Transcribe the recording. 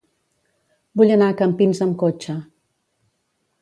Vull anar a Campins amb cotxe.